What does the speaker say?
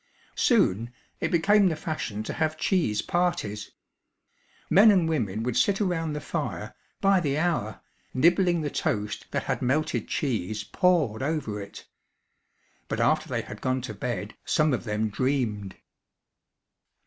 Soon, it became the fashion to have cheese parties. Men and women would sit around the fire, by the hour, nibbling the toast that had melted cheese poured over it. But after they had gone to bed, some of them dreamed.